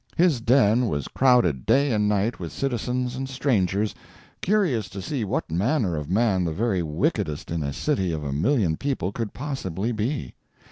His den was crowded day and night with citizens and strangers curious to see what manner of man the very wickedest in a city of a million people could possibly be.